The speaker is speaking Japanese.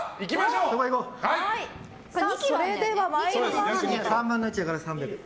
それでは参りましょう。